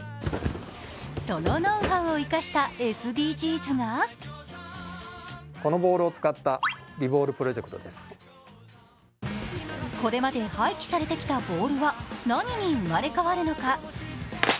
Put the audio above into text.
そのノウハウを生かしたＳＤＧｓがこれまで廃棄されてきたボールは何に生まれ変わるのか。